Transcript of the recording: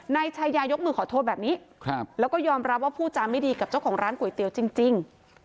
นายชายายกมือขอโทษแบบนี้แล้วก็ยอมรับว่าพูดจาไม่ดีกับเจ้าของร้านก๋วยเตี๋ยวจริง